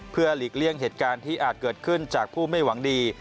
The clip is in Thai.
เพื่อหลีกเลี่ยงเหตุการณ์ที่อาจเกิดขึ้นจากผู้ไม่หวังดี